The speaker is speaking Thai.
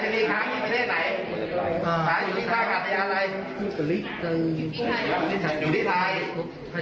สองคนเลยหรอสี่ดิข้างนี้เลย